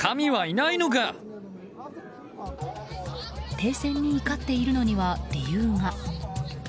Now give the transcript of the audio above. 停戦に怒っているのには理由が。